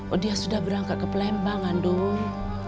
oh dia sudah berangkat ke pelembang andung